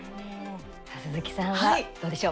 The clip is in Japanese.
鈴木さんは、どうでしょう。